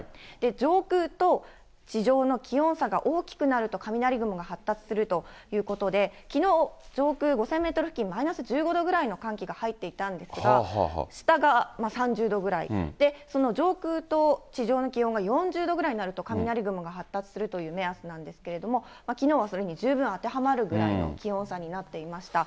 上空と地上の気温差が大きくなると、雷雲が発達するということで、きのう、上空５０００メートル付近マイナス１５度ぐらいの寒気が入っていたんですが、下が３０度ぐらい、その上空と地上の気温が４０度ぐらいになると雷雲が発達するという目安なんですけれども、きのうはそれに十分当てはまるくらいの気温差になっていました。